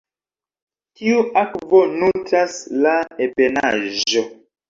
Tiu akvo nutras la ebenaĵo.